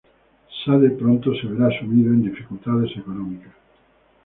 Sade pronto se verá sumido en dificultades económicas.